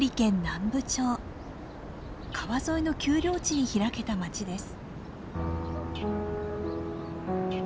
川沿いの丘陵地に開けた町です。